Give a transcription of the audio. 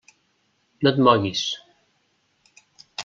No et moguis.